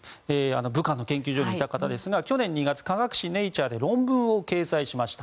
武漢の研究所にいた方ですが去年２月科学誌「ネイチャー」で論文を掲載しました。